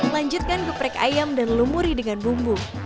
lanjutkan geprek ayam dan lumuri dengan bumbu